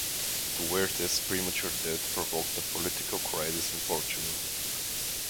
Duarte's premature death provoked a political crisis in Portugal.